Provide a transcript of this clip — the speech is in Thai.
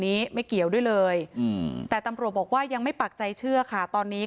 นี้ไม่เกี่ยวด้วยเลยแต่ตำรวจบอกว่ายังไม่ปักใจเชื่อค่ะตอนนี้